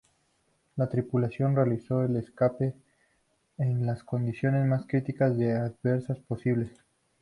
La tripulación realizó el escape en las condiciones más críticas y adversas posibles.